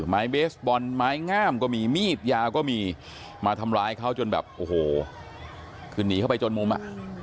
ไม้เบสบอลไม้งามก็มีมีดยาวก็มีมาทำร้ายเขาจนแบบโอ้โหคือหนีเข้าไปจนมุมอ่ะ